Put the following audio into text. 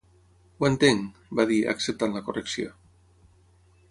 "Ho entenc", va dir, acceptant la correcció.